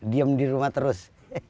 diem di rumah terus